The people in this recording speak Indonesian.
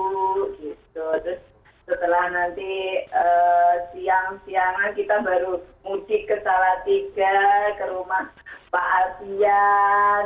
terus setelah nanti siang siangan kita baru mudik ke salatiga ke rumah pak alfian